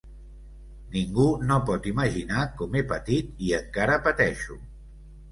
Ningú no pot imaginar com he patit i encara pateixo.